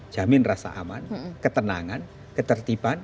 jamin rasa aman ketenangan ketertiban